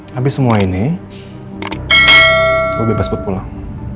habis semua ini lo bebas buat pulang